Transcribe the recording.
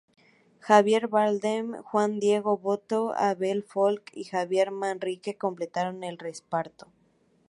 Javier Bardem, Juan Diego Botto, Abel Folk y Javier Manrique completaron el reparto.